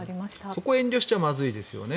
そこは遠慮しちゃまずいですよね。